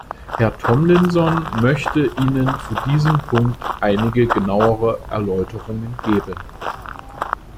Herr Tomlinson möchte Ihnen zu diesem Punkt einige genauere Erläuterungen geben.